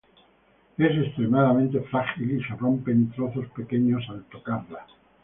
Es extremadamente frágil y se rompe en trozos pequeños al tocarlo.